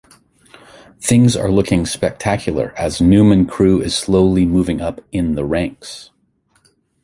Things are looking spectacular as Newman Crew is slowly moving up in the ranks.